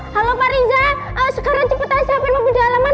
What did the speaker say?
halo pak riza sekarang cepetan siapin mobil di halaman